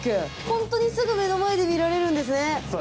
ほんとにすぐ目の前で見られるんですね。